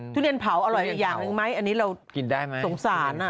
ทุเรียนเผาอร่อยอย่างนึงไหมอันนี้เราสงสาร